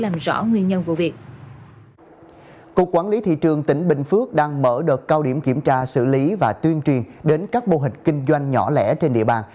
cục quản lý thị trường tỉnh bình phước đang mở đợt cao điểm kiểm tra xử lý và tuyên truyền đến các mô hình kinh doanh nhỏ lẻ trên địa bàn